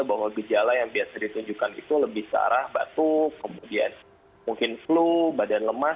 bahwa gejala yang biasa ditunjukkan itu lebih ke arah batuk kemudian mungkin flu badan lemas